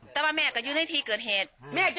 แต่พ่อแม่ก็ยุ่งให้ทีเกิดเหตุ